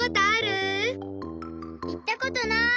いったことない。